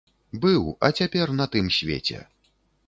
Быў, а цяпер на тым свеце!